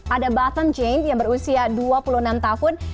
ada button jane yang berusia dua puluh enam tahun